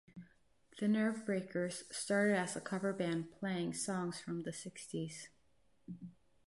The Nervebreakers started as a cover band playing songs from the sixties.